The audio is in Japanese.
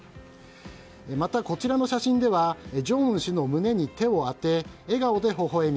また、こちらの写真では正恩氏の胸に手を当て笑顔で微笑み